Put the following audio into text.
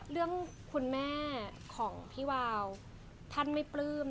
คุณแม่ของพี่วาวท่านไม่ปลื้ม